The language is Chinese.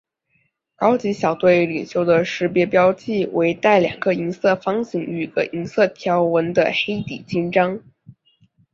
高级小队领袖的识别标记为带两个银色方形与一条银色横纹的黑底襟章。